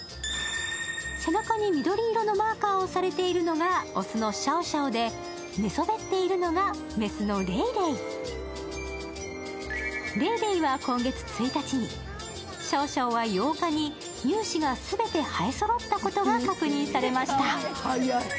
背中に緑色のマーカーをされているのが雄のシャオシャオで寝そべっているのが、雌のレイレイレイレイは今月１日に、シャオシャオは８日に乳歯が全て生えそろったことが確認されました。